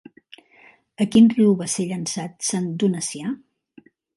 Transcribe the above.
A quin riu va ser llençat Sant Donacià?